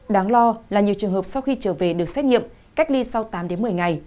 đáng lo là nhiều trường hợp sau khi trở về được xét nghiệm cách ly sau tám đến một mươi ngày